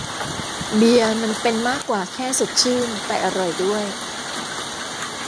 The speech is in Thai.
เบียร์มันเป็นมากกว่าแค่สดชื่นแต่อร่อยด้วย